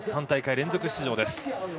３大会連続出場。